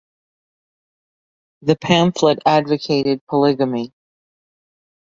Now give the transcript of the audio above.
The pamphlet advocated polygamy.